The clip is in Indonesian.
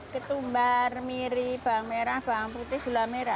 ketumbar miri bahan merah bahan putih gula merah